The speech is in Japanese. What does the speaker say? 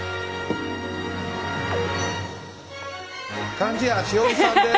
貫地谷しほりさんです。